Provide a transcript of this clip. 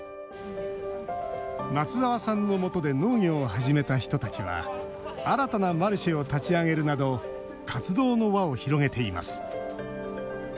松澤さんのもとで農業を始めた人たちは新たなマルシェを立ち上げるなど活動の輪を広げています。